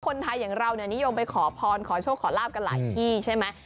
คนไทยอย่างเราเนี่ยนิยมไปขอพรขอโชคขอลาบกันหลายที่ใช่ไหม